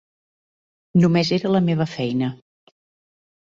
Només era la meva feina.